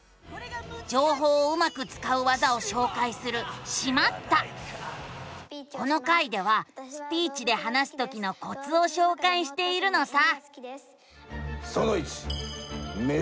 じょうほうをうまくつかう技をしょうかいするこの回ではスピーチで話すときのコツをしょうかいしているのさ。